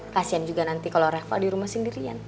kasian juga nanti kalau reva di rumah sendirian